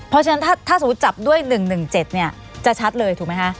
เพราะฉะนั้นถ้าสมมุติจับด้วย๑๑๗เนี่ยจะชัดเลยถูกไหมคะ